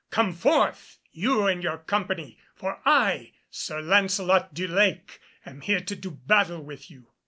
Come forth, you and your company, for I, Sir Lancelot du Lake, am here to do battle with you."